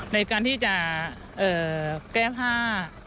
ในการที่จะแก้ผ้า